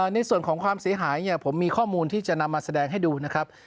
ในส่วนของความเสียหายเนี่ยผมมีข้อมูลที่จะนำมาแสดงให้ดูนะครับ